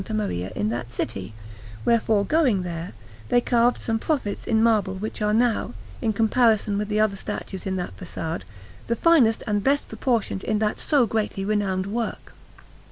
Maria in that city; wherefore, going there, they carved some prophets in marble which are now, in comparison with the other statues in that façade, the finest and best proportioned in that so greatly renowned work.